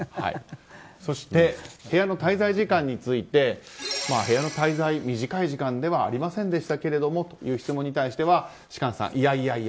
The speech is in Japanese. そして、部屋の滞在時間について部屋の滞在、短い時間ではありませんでしたけれどもという質問に対しては、芝翫さん、いやいやいや